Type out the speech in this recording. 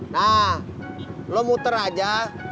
nah lo muter aja